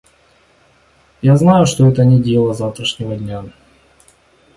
Я знаю, что это не дело завтрашнего дня.